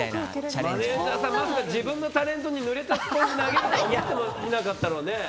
マネジャーさん、まさか自分のタレントにぬれたスポンジ投げるとは思ってなかっただろうね。